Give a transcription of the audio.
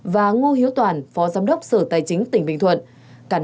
và ngô hiếu toàn phó giám đốc sở tài chính tỉnh bình thuận